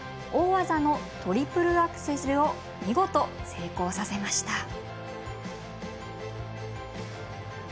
大技のトリプルアクセルを見事成功させました。